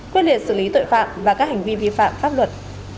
quyết liệt xử lý tội phạm và các hành vi vi phạm pháp luật